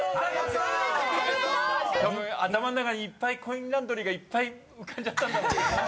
たぶん頭の中にいっぱいコインランドリーが浮かんじゃったんだろうね。